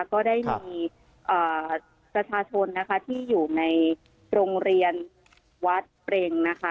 ก็ได้มีประชาชนนะคะที่อยู่ในโรงเรียนวัดเปรงนะคะ